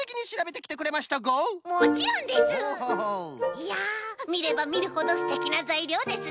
いやみればみるほどすてきなざいりょうですね。